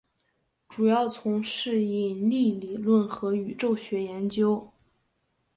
主要从事引力理论和宇宙学研究。